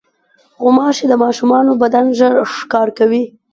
غوماشې د ماشومانو بدن ژر ښکار کوي.